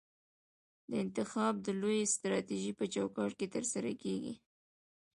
دا انتخاب د لویې سټراټیژۍ په چوکاټ کې ترسره کیږي.